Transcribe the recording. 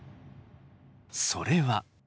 それは。